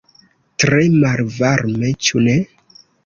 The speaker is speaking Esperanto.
Tre malvarme, ĉu ne?